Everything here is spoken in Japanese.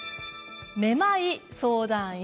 めまい相談医。